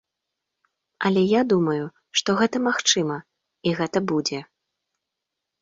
Але я думаю, што гэта магчыма і гэта будзе.